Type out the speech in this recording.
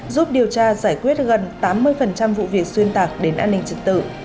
giúp điều tra giải quyết gần tám mươi vụ việc xuyên tạc đến an ninh trật tự